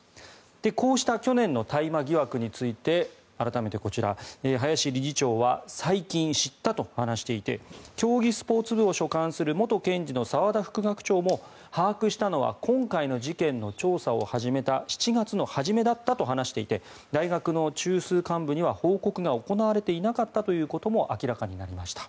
こうした去年の大麻疑惑について改めてこちら林理事長は最近知ったと話していて競技スポーツ部を所管する元検事の澤田副学長も把握したのは今回の事件の調査を始めた７月の初めだったと話していて大学の中枢幹部には報告が行われていなかったことも明らかになりました。